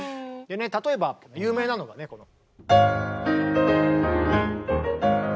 例えば有名なのがねこの。